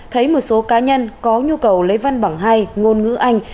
thấy một số cá nhân có nhu cầu lấy văn bằng hai ngôn ngữ anh